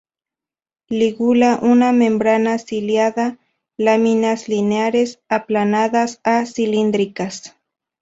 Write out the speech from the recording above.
Lígula una membrana ciliada; láminas lineares, aplanadas a cilíndricas.